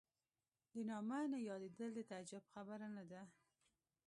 د نامه نه یادېدل د تعجب خبره نه ده.